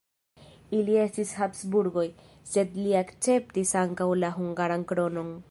Ili estis Habsburgoj, sed li akceptis ankaŭ la hungaran kronon.